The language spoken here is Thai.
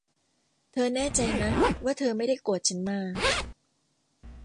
เธอแน่ใจนะว่าเธอไม่ได้โกรธฉัน มา